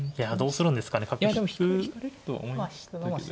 引かれるとは思いましたけど。